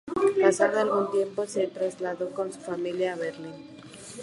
Pasado algún tiempo, se trasladó con su familia a Berlín.